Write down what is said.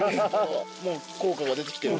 ・もう効果が出てきてる。